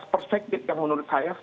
perspektif yang menurut saya